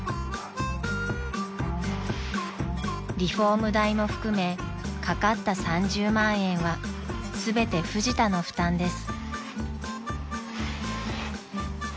［リフォーム代も含め掛かった３０万円は全てフジタの負担です］